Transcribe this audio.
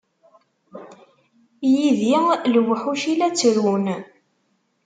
Yid-i lewḥuc i la ttrun.